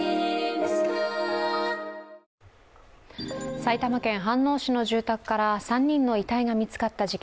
埼玉県飯能市の住宅から３人の遺体が見つかった事件。